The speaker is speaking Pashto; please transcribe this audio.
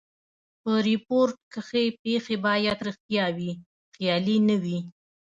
په ریپورټ کښي پېښي باید ریښتیا وي؛ خیالي نه وي.